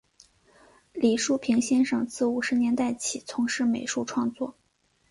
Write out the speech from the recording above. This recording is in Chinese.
李叔平先生自五十年代起从事美术创作。